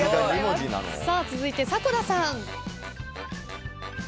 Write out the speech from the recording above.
続いて迫田さん。